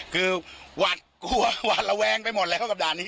คือหวัดกลัวหวาดระแวงไปหมดเลยเข้ากับด่านนี้